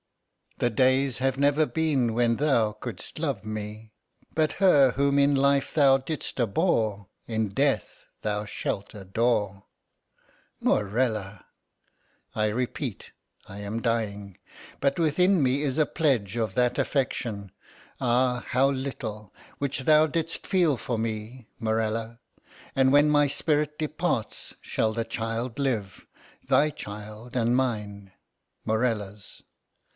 "The days have never been when thou couldst love me—but her whom in life thou didst abhor, in death thou shalt adore." "Morella!" "I repeat that I am dying. But within me is a pledge of that affection—ah, how little!—which thou didst feel for me, Morella. And when my spirit departs shall the child live—thy child and mine, Morella's.